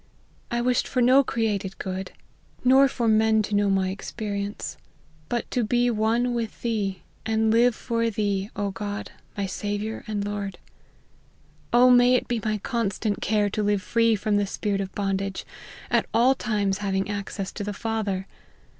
* I wished for no created good, nor for men to know my ex 54 LIFE OF HENRY MARTYN. perience : but to be one with thee, and live for thee, God, my Saviour and Lord. may it be my constant care to live free from the spirit of bon dage, ut all times having access to the Father.